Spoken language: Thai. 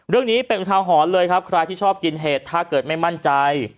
เรื่องนี้เป็นอุทาหรณ์เลยครับใครที่ชอบกินเห็ดถ้าเกิดไม่มั่นใจ